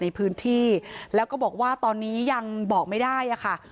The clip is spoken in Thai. ในพื้นที่แล้วก็บอกว่าตอนนี้ยังบอกไม่ได้อะค่ะ